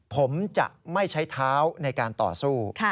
ผมจะไม่ใช้เท้าในการต่อสู้